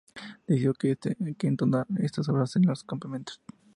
decidió que entonar esas obras en los campamentos